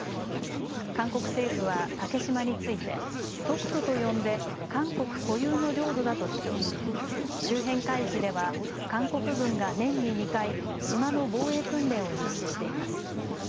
韓国政府は竹島についてトクトと呼んで韓国固有の領土だと主張し周辺海域では韓国軍が年に２回、島の防衛訓練を実施しています。